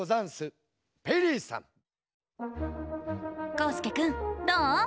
こうすけくんどう？